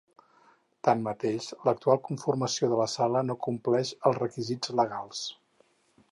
Tanmateix, l’actual conformació de la sala no compleix els requisits legals.